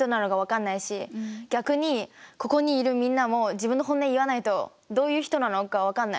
逆にここにいるみんなも自分の本音言わないとどういう人なのか分かんない。